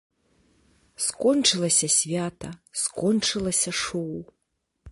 Скончылася свята, скончылася шоў.